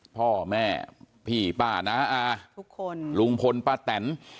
พ่อแม่พี่ป้าน้าอาทุกคนลุงพลป้าแตน